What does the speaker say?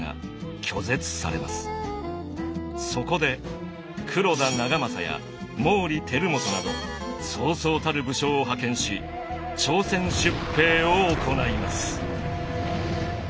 そこで黒田長政や毛利輝元などそうそうたる武将を派遣し朝鮮出兵を行います。